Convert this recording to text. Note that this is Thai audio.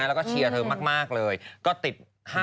แล้วก็เชียร์เธอมากเลยก็ติด๕คนสุดท้าย